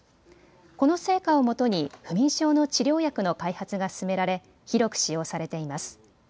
この成果をもとに不眠症の治療薬の開発が進められ広く使用されています。